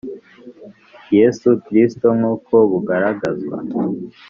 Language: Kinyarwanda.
Yesu Kristo nk uko bugaragazwa